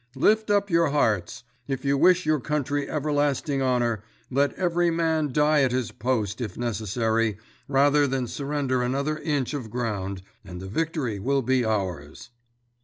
Lift up your hearts! If you wish your Country everlasting honor, let every man die at his post, if necessary, rather than surrender another inch of ground, and the victory will be ours.